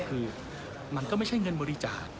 คือมันก็ไม่ใช่เงินบริจาค